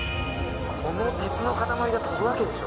この鉄の塊が飛ぶわけでしょ？